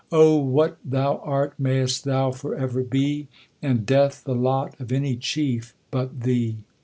). O, what thou art, mayst thou forever be, And death the lot of any chief but thee